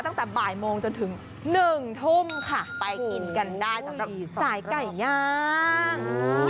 ตั้งแต่บ่ายโมงจนถึงหนึ่งทุ่มค่ะไปกินกันได้สายไก่ย่าง